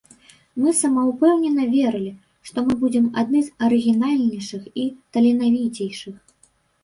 Мы самаўпэўнена верылі, што мы будзем адны з арыгінальнейшых і таленавіцейшых.